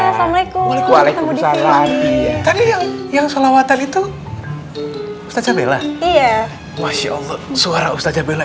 assalamualaikum waalaikumsalam yang solawatan itu saya bella iya masya allah suara ustazah bella